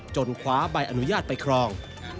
คว้าใบอนุญาตไปครอง